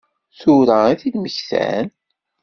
Tura i t-id-mmektan?